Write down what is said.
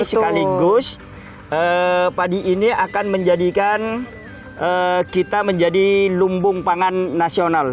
sekaligus padi ini akan menjadikan kita menjadi lumbung pangan nasional